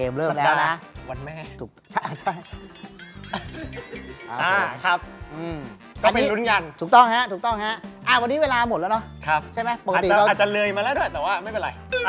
มันเลื่อยมาแล้วด้วยแต่ว่าไม่เป็นไร